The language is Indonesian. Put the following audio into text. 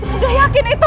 sudah yakin itu